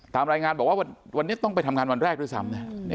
ตามรายงานบอกว่าวันนี้ต้องไปทำงานวันแรกด้วยซ้ำนะ